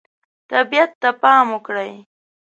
طبیعت ته پام وکړئ.